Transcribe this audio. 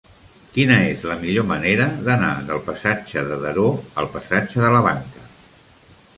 Quina és la millor manera d'anar del passatge de Daró al passatge de la Banca?